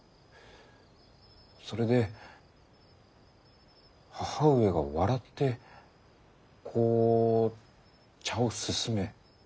それで母上が笑ってこう茶をすすめ。